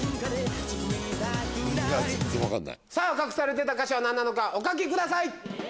さぁ隠されてた歌詞は何なのかお書きください！